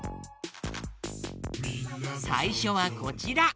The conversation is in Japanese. さいしょはこちら。